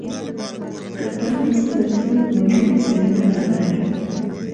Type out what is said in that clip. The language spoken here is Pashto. که پرانیستي بنسټونه موجود وي، زمینه برابروي.